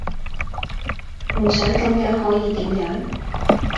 唔想咁樣可以點樣?